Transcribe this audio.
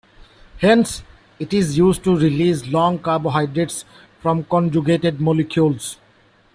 Hence, it is used to release long carbohydrates from conjugated molecules.